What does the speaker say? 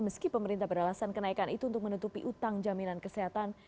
meski pemerintah beralasan kenaikan itu untuk menutupi utang jaminan kesehatan